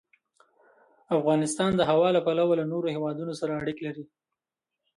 افغانستان د هوا له پلوه له نورو هېوادونو سره اړیکې لري.